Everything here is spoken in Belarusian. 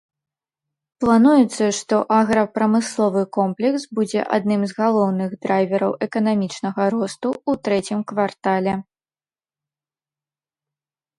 Плануецца, што аграпрамысловы комплекс будзе адным з галоўных драйвераў эканамічнага росту ў трэцім квартале.